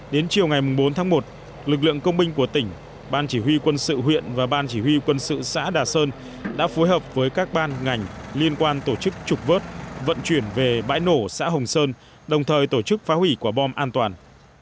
đến chiều ngày bốn tháng một lực lượng công binh của tỉnh ban chỉ huy quân sự huyện và ban chỉ huy quân sự xã đà sơn đã phối hợp với các ban ngành liên quan tổ chức trục vớt vận chuyển về bãi nổ xã hồng sơn đồng thời tổ chức phá hủy quả bom an toàn